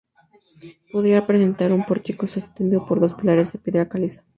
Podía presentar un pórtico sostenido por dos pilares de piedra caliza.